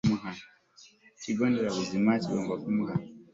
ikigo nderabuzima kigomba kumuha